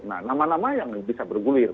nah nama nama yang bisa bergulir